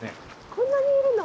こんなにいるの？